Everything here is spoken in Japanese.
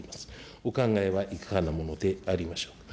お考えはいかがなものでありましょうか。